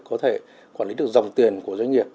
có thể quản lý được dòng tiền của doanh nghiệp